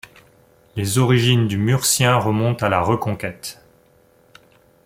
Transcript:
Les origines du murcien remontent à la Reconquête.